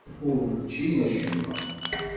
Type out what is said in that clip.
Ur ččin acemma.